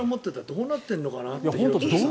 どうなってんのかなって。